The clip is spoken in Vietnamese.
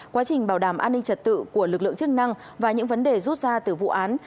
quá trình bảo đảm an ninh trật tự của lực lượng chức năng và những vấn đề rút ra từ vụ án